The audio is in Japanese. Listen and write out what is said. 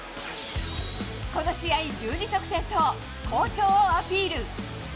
この試合１２得点と、好調をアピール。